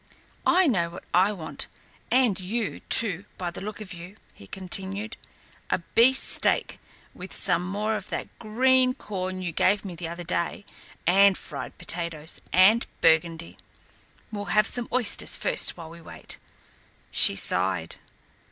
"I know what I want, and you, too, by the look of you," he continued "a beefsteak, with some more of that green corn you gave me the other day, and fried potatoes, and Burgundy. We'll have some oysters first while we wait." She sighed.